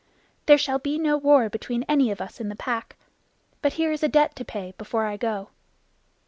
"There shall be no war between any of us in the Pack. But here is a debt to pay before I go."